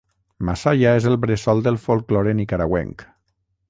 Masaya és el bressol del folklore nicaragüenc.